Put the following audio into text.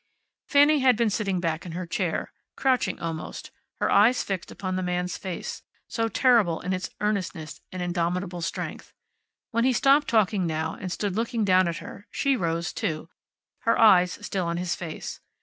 Fanny had been sitting back in her chair, crouching almost, her eyes fixed upon the man's face, so terrible in its earnestness and indomitable strength. When he stopped talking now, and stood looking down at her, she rose, too, her eyes still on his face.